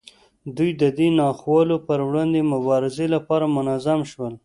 دوی د دې ناخوالو پر وړاندې مبارزې لپاره منظم شول.